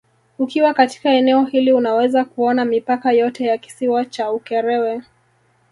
Ukiwa katika eneo hili unaweza kuona mipaka yote ya Kisiwa cha Ukerewe